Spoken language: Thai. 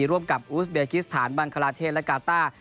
ร่วมกับอูสเบกิสถานบังคลาเทศและกาต้า